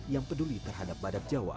yang peduli terhadap badak jawa